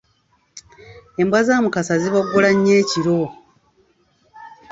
Embwa za Mukasa ziboggola nnyo ekiro.